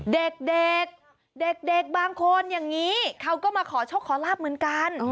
เด็กเด็กบางคนอย่างนี้เขาก็มาขอโชคขอลาบเหมือนกัน